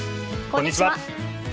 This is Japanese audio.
こんにちは。